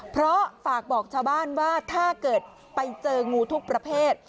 เพราะฝากบอกชาวบ้านว่าถ้าเกิดไปเจองูทุกประเภท